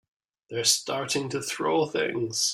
They're starting to throw things!